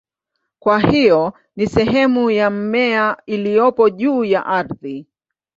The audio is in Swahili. Kwa hiyo ni sehemu ya mmea iliyopo juu ya ardhi.